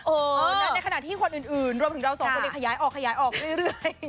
โอ้แล้วในขณะที่คนอื่นรวมถึงเราสองคนนี้ขยายออกเรื่อย